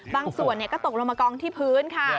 บางส่วนก็ตกลงมากองที่พื้นค่ะ